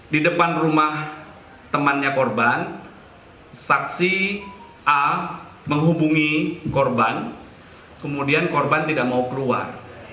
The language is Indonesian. di depan rumah temannya korban saksi a menghubungi korban kemudian korban tidak mau keluar